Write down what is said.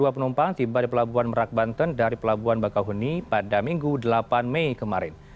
satu ratus dua puluh dua enam ratus enam puluh dua penumpang tiba di pelabuhan merak banten dari pelabuhan bakau huni pada minggu delapan mei kemarin